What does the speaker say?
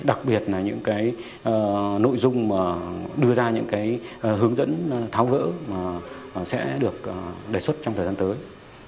đặc biệt là những nội dung đưa ra những hướng dẫn tháo gỡ sẽ được đề xuất trong thời gian tới